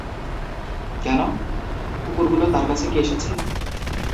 কেন, কুকুরগুলো তার কাছে কি এসেছে?